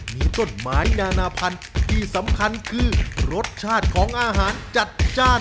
มีต้นไม้นานาพันธุ์ที่สำคัญคือรสชาติของอาหารจัดจ้าน